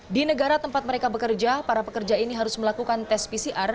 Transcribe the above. di negara tempat mereka bekerja para pekerja ini harus melakukan tes pcr